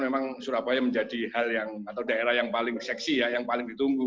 memang surabaya menjadi hal yang atau daerah yang paling seksi ya yang paling ditunggu